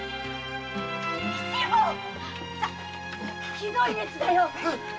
ひどい熱だよ！